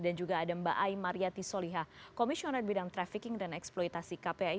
dan juga ada mbak aim marjati soliha komisioner bidang trafficking dan eksploitasi kpi